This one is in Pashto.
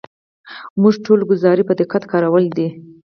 موږ ټولې ګزارې په دقت کارولې دي.